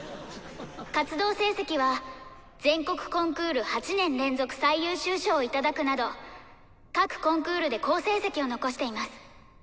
活動成績は全国コンクール８年連続最優秀賞を頂くなど各コンクールで好成績を残しています。